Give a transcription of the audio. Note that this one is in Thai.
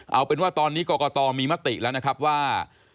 เอาเป็นว่าตอนนี้กรกตมีมติแล้วนะครับว่า